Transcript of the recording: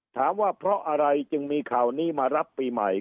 ถามว่าเพราะอะไรจึงมีข่าวนี้มารับปีใหม่